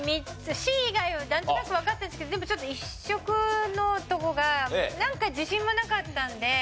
Ｃ以外はなんとなくわかったんですけどでもちょっと「一触」のところがなんか自信もなかったので。